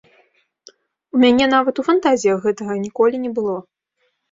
У мяне нават у фантазіях гэтага ніколі не было.